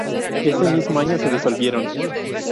Ese mismo año se disolvieron.